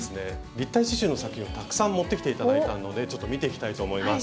立体刺しゅうの作品をたくさん持ってきていただいたのでちょっと見ていきたいと思います。